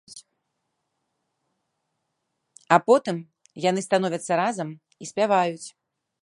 А потым яны становяцца разам і спяваюць.